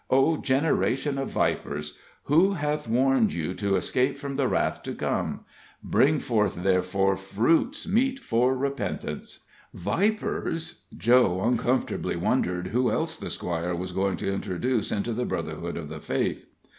'O, generation of vipers, who hath warned you to flee from the wrath to come? Bring forth, therefore, fruits meet for repentance.'" Vipers! Joe uncomfortably wondered who else the Squire was going to introduce into the brotherhood of the faith.